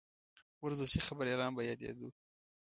ورزشي خبریالان به یادېدوو.